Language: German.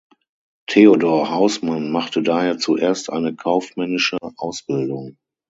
Theodor Hausmann machte daher zuerst eine kaufmännische Ausbildung.